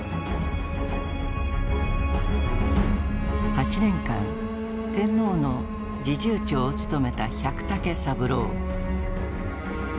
８年間天皇の侍従長を務めた百武三郎。